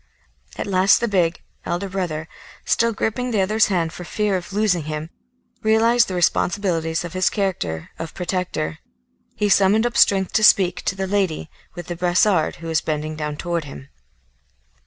At last the big, elder brother, still gripping the other's hand for fear of losing him, realised the responsibilities of his character of protector; he summoned up strength to speak to the lady with the brassard, who was bending down to him.